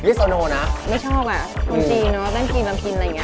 ทมจีนอ่ะเต้นกรีนแซมพิน